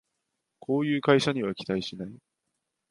こういう会社には期待しない